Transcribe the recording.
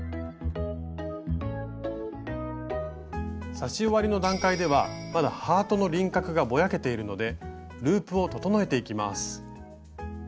刺し終わりの段階ではまだハートの輪郭がぼやけているのでループを整えていきます。